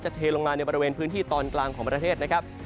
เทลงมาในบริเวณพื้นที่ตอนกลางของประเทศนะครับ